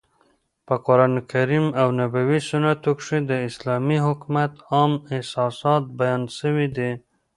په قرانکریم او نبوي سنتو کښي د اسلامي حکومت عام اساسات بیان سوي دي.